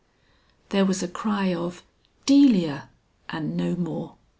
There was a cry of "Delia" and no more.